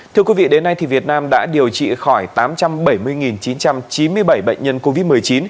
thưa quý vị đến nay việt nam đã điều trị khỏi tám trăm bảy mươi chín trăm chín mươi bảy bệnh nhân covid một mươi chín